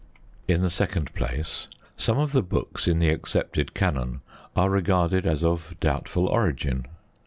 In the second place, some of the books in the accepted canon are regarded as of doubtful origin.